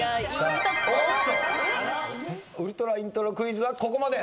ウルトライントロクイズはここまで。